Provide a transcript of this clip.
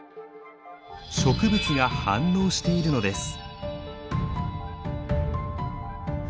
植物が反応しているのです。